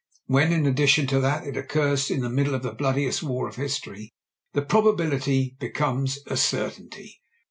When, in addition to that, it occurs in the middle of the bloodiest war of history, the probability becomes a certainty.